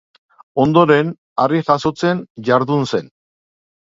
Ondoren, harri jasotzen jardun zen.